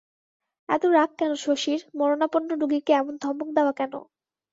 এত রাগ কেন শশীর, মরণাপন্ন রোগীকে এমন ধমক দেওয়া কেন?